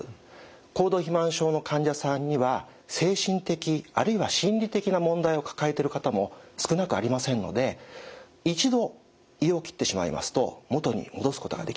高度肥満症の患者さんには精神的あるいは心理的な問題を抱えている方も少なくありませんので一度胃を切ってしまいますと元に戻すことができませんよね。